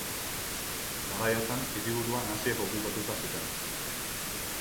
Garai hartan, hiriburua naziek okupatuta zuten.